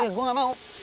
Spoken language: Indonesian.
gak gue gak mau